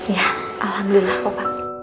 ya alhamdulillah pak